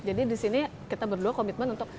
jadi disini kita berdua komitmen untuk